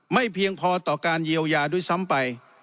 เพียงพอต่อการเยียวยาด้วยซ้ำไป